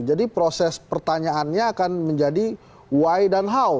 jadi proses pertanyaannya akan menjadi why dan how